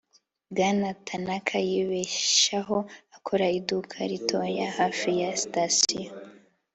Bwana Tanaka yibeshaho akora iduka ritoyi hafi ya sitasiyo